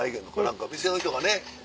何か店の人がね。